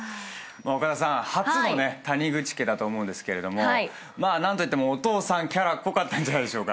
岡田さん初の谷口家だと思うんですけれども何といってもお父さんキャラ濃かったんじゃないでしょうか。